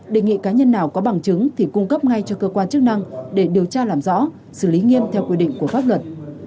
đề nghị cá nhân nào có bằng chứng thì cung cấp ngay cho cơ quan chức năng để điều tra làm rõ xử lý nghiêm theo quy định của pháp luật